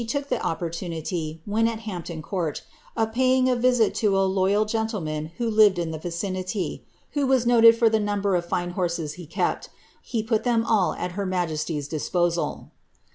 took the opportunity, when at Hampton Court, of paying a visit to a loyal gentleman who lired in the Ticinity, who was noted for the num> ber of fine horses he kept He put them all at her majesty^t disposal.''